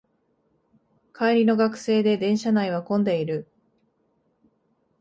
帰りの学生で電車内は混んでいる